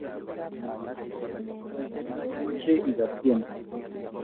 amache ikas tieni.